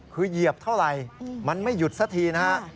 คือเหยียบเท่าไหร่มันไม่หยุดสักทีนะฮะ